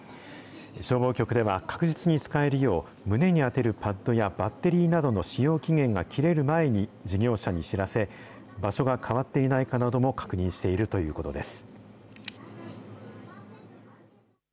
消防局では、確実に使えるよう、胸に当てるパッドやバッテリーなどの使用期限が切れる前に、事業者に知らせ、場所が変わっていないかなども確認しているということです。